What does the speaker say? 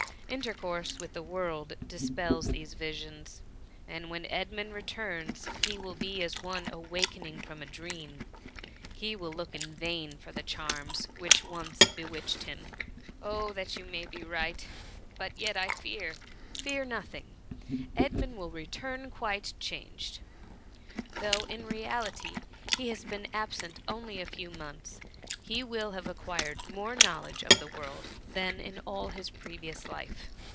Intercourse with the world dispels these visions, and when Ed mund returns he will be as one awakening from a dream : he will look in vain for the charms which once bewitched him. Oh, that you may be right ! but yet I fear "*^ Fear nothing — Edmund will return quite changed. Though in reality he has been ab sent only a few months, he will have acquired more knowledge of the world, than in all his previous life.